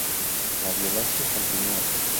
La violencia continúa.